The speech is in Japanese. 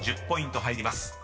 ［１０ポイント入ります］